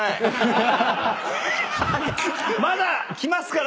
まだ来ますから。